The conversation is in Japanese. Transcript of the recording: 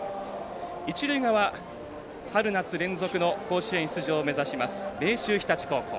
一塁側、春夏連続の甲子園出場を目指します明秀学園日立高校。